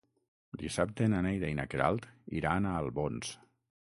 Dissabte na Neida i na Queralt iran a Albons.